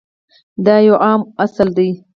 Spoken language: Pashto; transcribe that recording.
دا یو عام اصل دی.